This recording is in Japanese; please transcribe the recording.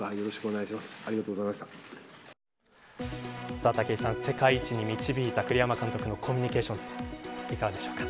さあ武井さん、世界一に導いた栗山監督のコミュニケーション術いかがでしょうか。